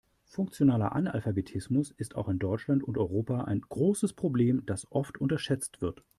Funktionaler Analphabetismus ist auch in Deutschland und Europa ein großes Problem, das oft unterschätzt wird.